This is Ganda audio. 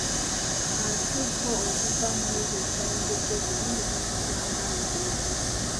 Ate gwo oguva mu ezo ezitayengedde bulungi guyitibwa mbalule.